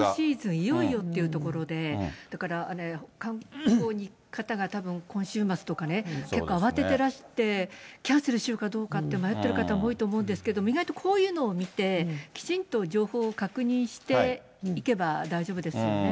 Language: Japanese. いよいよというところで、だから、観光に行く方が今週末とかね、結構、慌ててらして、キャンセルしようかどうかって迷ってる方も多いと思うんですが、意外とこういうのを見て、きちんと情報を確認して行けば大丈夫ですよね。